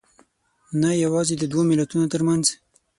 نه یوازې دوو ملتونو تر منځ